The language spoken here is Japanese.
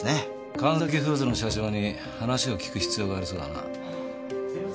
神崎フーズの社長に話を聞く必要がありそうだな。